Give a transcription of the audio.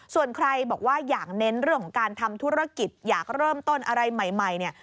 ส่วนใครบอกว่าอยากเน้นเรื่องของการทำธุรกิจอยากเริ่มต้นอะไรใหม่เนี่ย